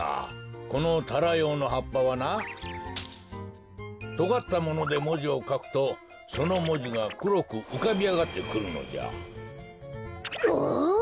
このタラヨウのはっぱはなとがったものでもじをかくとそのもじがくろくうかびあがってくるのじゃ。わ！